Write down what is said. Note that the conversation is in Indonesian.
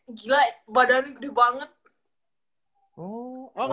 gila badannya gede banget